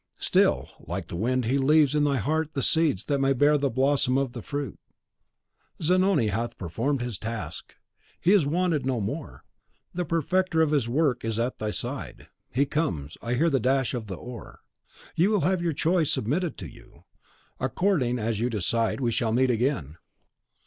Still, like the wind, he leaves in thy heart the seeds that may bear the blossom and the fruit. Zanoni hath performed his task, he is wanted no more; the perfecter of his work is at thy side. He comes! I hear the dash of the oar. You will have your choice submitted to you. According as you decide we shall meet again."